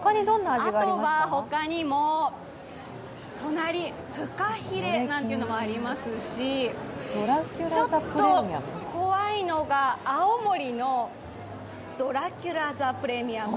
あとは他にも隣、フカヒレなんていうのもありますし、ちょっと怖いのが青森のドラキュラ・ザ・プレミアム。